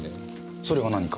それが何か？